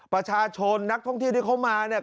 ประชาชนนักท่องเที่ยวที่เขามาเนี่ย